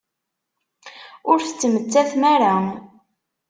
Ur tettmettatem ara!